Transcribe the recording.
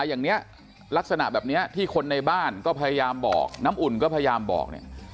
อย่างนี้ลักษณะแบบนี้ที่คนในบ้านก็พยายามบอกน้ำอุ่นก็พยายามบอกเนี่ย